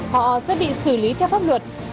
họ sẽ bị xử lý theo pháp luật